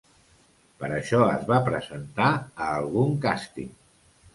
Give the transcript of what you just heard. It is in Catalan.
Per això es va presentar a algun càsting.